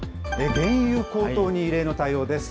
原油高騰に異例の対応です。